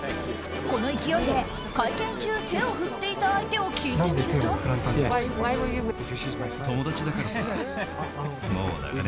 この勢いで会見中、手を振っていた相手を聞いてみると。